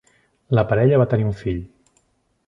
La parella va tenir un fill.